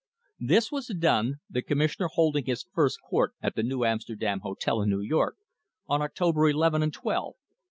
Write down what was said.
This was done, the commissioner holding his first court at the New Amsterdam Hotel, in New York, on October 1 1 and 12, 1898.